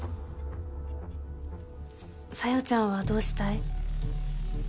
紗世ちゃんはどうしたい？